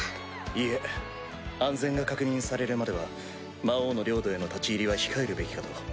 いいえ安全が確認されるまでは魔王の領土への立ち入りは控えるべきかと。